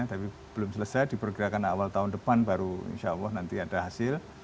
tapi belum selesai diperkirakan awal tahun depan baru insya allah nanti ada hasil